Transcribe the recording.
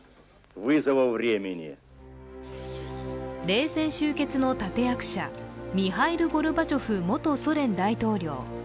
冷戦終結の立て役者ミハイル・ゴルバチョフ元ソ連大統領。